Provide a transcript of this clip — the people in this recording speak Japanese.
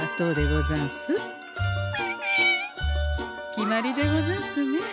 決まりでござんすね。